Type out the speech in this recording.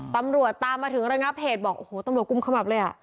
ตำรวจตามมาถึงระงับเหตุบอกโอ้โหตำรวจกุมขมับเลยอ่ะ